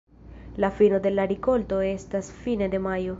La fino de la rikolto estas fine de majo.